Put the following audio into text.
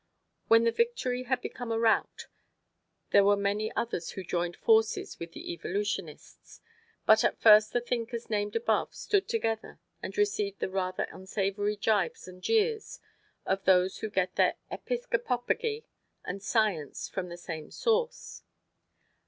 When the victory had become a rout, there were many others who joined forces with the evolutionists; but at first the thinkers named above stood together and received the rather unsavory gibes and jeers of those who get their episcopopagy and science from the same source.